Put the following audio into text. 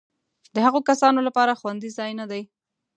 د هغو کسانو لپاره خوندي ځای نه دی.